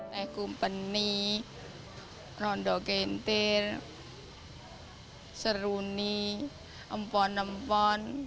nekum peni rondok gentir seruni empon empon